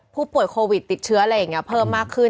ผู้ป่วยโควิดติดเชื้ออะไรอย่างนี้เพิ่มมากขึ้น